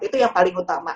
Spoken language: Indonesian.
itu yang paling utama